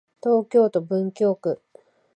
東京都文京区